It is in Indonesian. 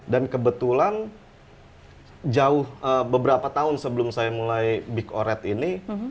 dan kebetulan jauh beberapa tahun sebelum saya mulai big oret ini